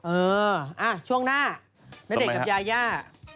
เออช่วงหน้าณเดชน์กับยาย่า